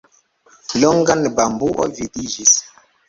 Longan bambuo vidiĝis.